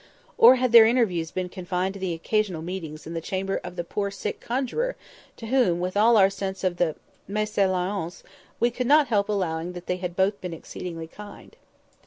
Or had their interviews been confined to the occasional meetings in the chamber of the poor sick conjuror, to whom, with all our sense of the mésalliance, we could not help allowing that they had both been exceedingly kind?